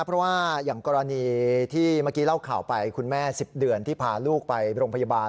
เพราะว่าอย่างกรณีที่เมื่อกี้เล่าข่าวไปคุณแม่๑๐เดือนที่พาลูกไปโรงพยาบาล